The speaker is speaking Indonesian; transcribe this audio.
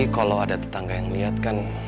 kalau ada tetangga yang ngeliatkan